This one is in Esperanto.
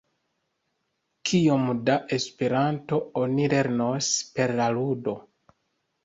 Kiom da Esperanto oni lernos per la ludo?